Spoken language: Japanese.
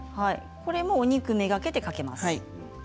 お肉目がけて、かけます。